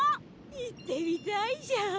行ってみたいじゃん。